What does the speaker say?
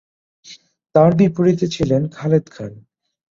তার বিপরীতে ছিলেন খালেদ খান।